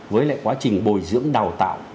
với lại quá trình bồi dưỡng đào tạo